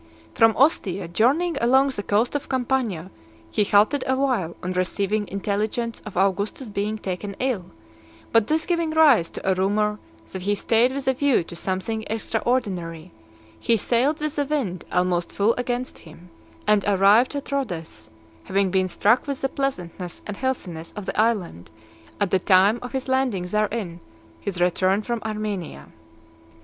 XI. From Ostia, journeying along the coast of Campania, he halted awhile on receiving intelligence of Augustus's being taken ill, but this giving rise to a rumour that he stayed with a view to something extraordinary, he sailed with the wind almost full against him, and arrived at Rhodes, having been struck with the pleasantness and healthiness of the island at the time of his landing therein his return from Armenia.